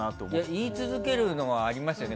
言い続けるのはありますよね